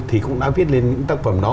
thì cũng đã viết lên những tác phẩm đó